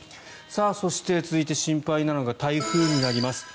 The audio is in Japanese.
そして、心配なのが台風になります。